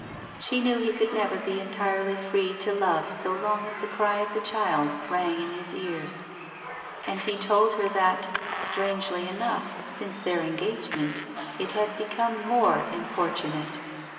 She knew he could never be entirely free to love so long as the cry of the child rang in his ears. And he told her that, strangely enough, since their engagement it had become more importunate.